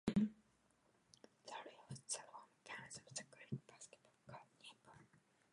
The arena hosts the home games of the Greek basketball club Niki Volou.